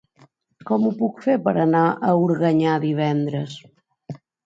Com ho puc fer per anar a Organyà divendres?